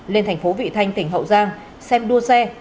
lên thành phố vị thanh tỉnh hậu giang xem đua xe